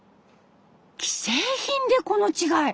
既製品でこの違い！